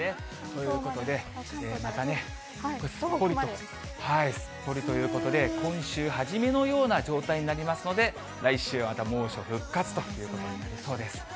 ということで、またね、すっぽりということで、今週初めのような状態になりますので、来週は、また猛暑復活ということになりそうです。